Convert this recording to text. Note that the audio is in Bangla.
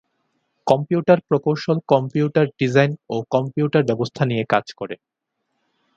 কম্পিউটার প্রকৌশল কম্পিউটার ডিজাইন ও কম্পিউটার ব্যবস্থা নিয়ে কাজ করে।